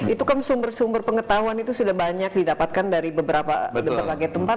itu kan sumber sumber pengetahuan itu sudah banyak didapatkan dari beberapa tempat